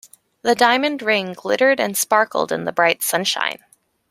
The diamond ring glittered and sparkled in the bright sunshine.